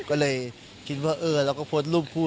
ก็เลยคิดว่าเออเราก็โพสต์รูปคู่